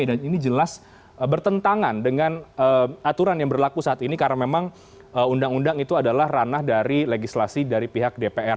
dan ini jelas bertentangan dengan aturan yang berlaku saat ini karena memang undang undang itu adalah ranah dari legislasi dari pihak dpr